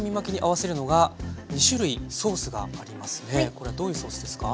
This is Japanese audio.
これはどういうソースですか？